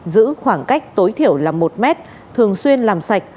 giữ khoảng cách tối thiểu là một mét thường xuyên làm sạch